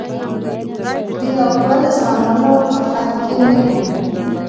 د یو بل زغملو په حد کې نه یو.